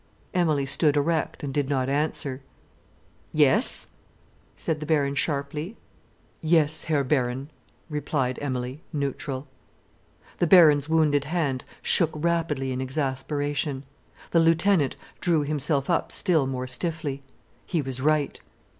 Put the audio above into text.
Emilie stood erect and did not answer. "Yes?" said the Baron sharply. "Yes, Herr Baron," replied Emilie, neutral. The Baron's wounded hand shook rapidly in exasperation. The lieutenant drew himself up still more stiffly. He was right.